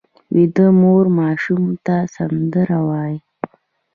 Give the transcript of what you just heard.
ویده مور ماشوم ته سندره وایي